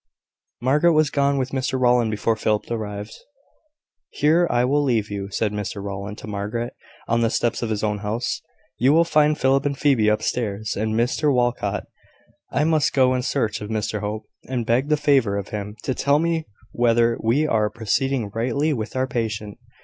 Margaret was gone with Mr Rowland before Philip arrived. "Here I will leave you," said Mr Rowland to Margaret, on the steps of his own house. "You will find Philip and Phoebe upstairs, and Mr Walcot. I must go in search of Mr Hope, and beg the favour of him to tell me whether we are proceeding rightly with our patient.